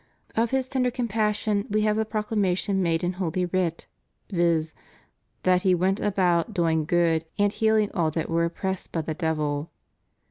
Of His tender compassion we have the proclamation made in Holy Writ, viz. : that He went aboui doing good and healing all that were oppressed by the devil.